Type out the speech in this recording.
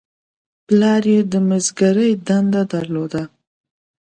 پلار یې د مسګرۍ دنده درلوده.